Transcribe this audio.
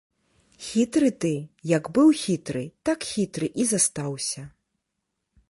Хітры ты, як быў хітры, так хітры і застаўся.